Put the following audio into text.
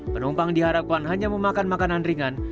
penumpang diharapkan hanya memakan makanan ringan